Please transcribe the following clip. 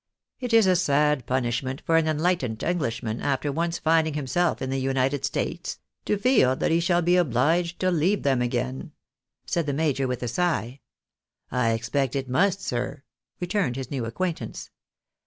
It is a sad punishment for an enlightened Englishman, after once finding himseK in the United States, to feel that hq shall be obliged to leave them again," said the major, with a sigh. " I expect it must, sir," returned his new acquaintance.